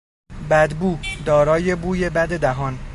بدبو، دارای بوی بد دهان